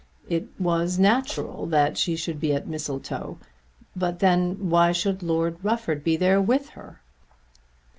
It was natural that she should be at Mistletoe; but then why should Lord Rufford be there with her?